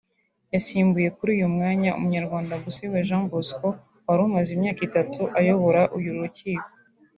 yasimbuye kuri uyu mwanya Umunyarwanda Busingye Jean Bosco wari umaze imyaka itatu ayobora uru rukiko